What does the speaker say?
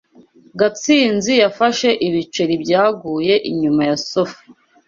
Gatsinzi yafashe ibiceri byaguye inyuma ya sofa.